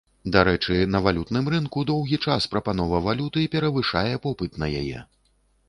Дарэчы, на валютным рынку доўгі час прапанова валюты перавышае попыт на яе.